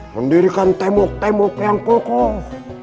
mendirikan tembok tembok yang kokoh